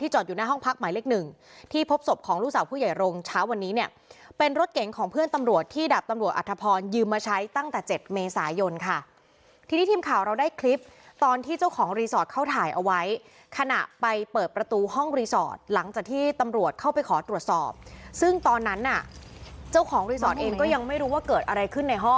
เช้าวันนี้เนี่ยเป็นรถเก๋งของเพื่อนตำรวจที่ดับตำรวจอัฐพรยืมมาใช้ตั้งแต่เจ็ดเมษายนค่ะทีนี้ทีมข่าวเราได้คลิปตอนที่เจ้าของรีสอร์ทเข้าถ่ายเอาไว้ขณะไปเปิดประตูห้องรีสอร์ทหลังจากที่ตำรวจเข้าไปขอตรวจสอบซึ่งตอนนั้นน่ะเจ้าของรีสอร์ทเองก็ยังไม่รู้ว่าเกิดอะไรขึ้นในห้